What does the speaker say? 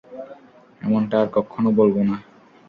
এমনটা আর কক্ষনো বলবো না।